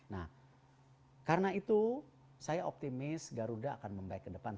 nah karena itu saya optimis garuda akan membaik ke depan